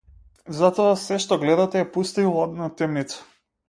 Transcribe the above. Затоа сѐ што гледате е пуста и ладна темница.